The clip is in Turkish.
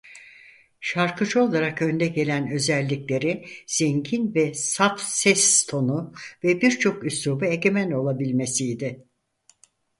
Şarkıcı olarak önde gelen özellikleri zengin ve saf ses tonu ve birçok üsluba egemen olabilmesiydi.